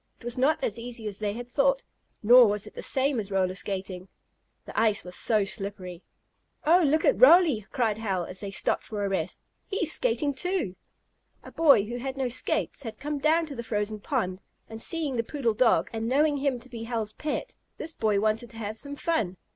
It was not as easy as they had thought nor was it the same as roller skating. The ice was so slippery. "Oh, look at Roly!" cried Hal, when they had stopped for a rest. "He's skating, too." A boy who had no skates had come down to the frozen pond, and, seeing the poodle dog, and knowing him to be Hal's pet, this boy wanted to have some fun.